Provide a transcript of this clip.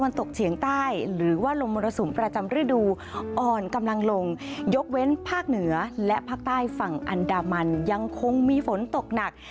ตกเฉียงใต้หรือว่าลมมรสุมประจำฤดูอ่อนกำลังลงยกเว้นภาคเหนือและภาคใต้ฝั่งอันดามันยังคงมีฝนตกหนัก